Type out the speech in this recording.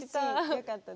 よかったです。